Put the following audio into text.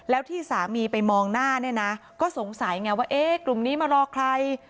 แล้วที่สามีไปมองหน้าก็สงสัยไงว่ากลุ่มนี้มารอใคร